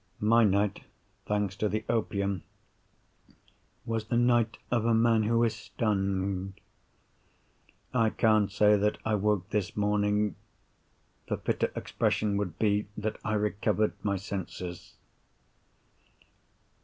My night, thanks to the opium, was the night of a man who is stunned. I can't say that I woke this morning; the fitter expression would be, that I recovered my senses.